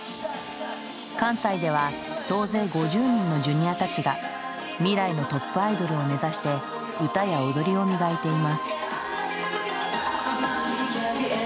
関西では総勢５０人のＪｒ．たちが未来のトップアイドルを目指して歌や踊りを磨いています。